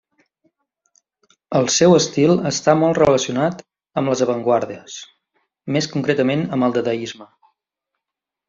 El seu estil està molt relacionat amb les avantguardes, més concretament amb el Dadaisme.